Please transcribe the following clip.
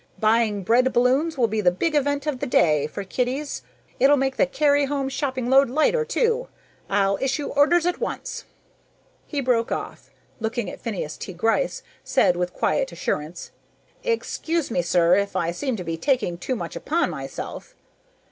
Buying bread balloons will be the big event of the day for kiddies. It'll make the carry home shopping load lighter too! I'll issue orders at once "He broke off, looking at Phineas T. Gryce, said with quiet assurance, "Excuse me, sir, if I seem to be taking too much upon myself."